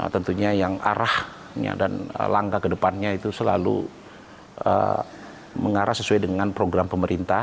tentunya yang arahnya dan langkah ke depannya itu selalu mengarah sesuai dengan program pemerintah